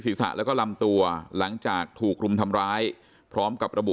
ศีรษะแล้วก็ลำตัวหลังจากถูกรุมทำร้ายพร้อมกับระบุ